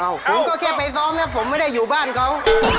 อ้าวคุณก็แค่ไปซ้อมนะผมไม่ได้อยู่บ้านเค้า